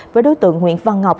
với đối tượng nguyễn văn ngọc